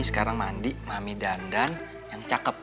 sekarang mandi mami dandan yang cakep